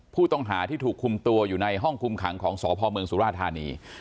ผู้ต้องหาที่ถูกคุมตัวอยู่ในห้องคุมขังของสพเมืองสุราธานี